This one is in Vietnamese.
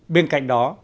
bên cạnh đó